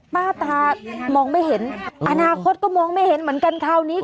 ตามองไม่เห็นอนาคตก็มองไม่เห็นเหมือนกันคราวนี้